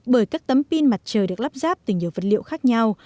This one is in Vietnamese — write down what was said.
bởi các tấm pin mặt trời được lắp ráp từ nhiều vật liệu khác nhau